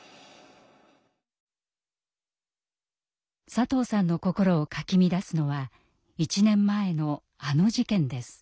佐藤さんの心をかき乱すのは１年前のあの事件です。